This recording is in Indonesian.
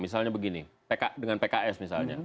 misalnya begini dengan pks misalnya